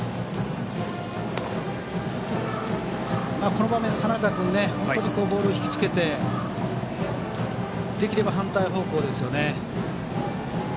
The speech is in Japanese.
この場面、佐仲君はボールを引き付けてできれば反対方向ですよね。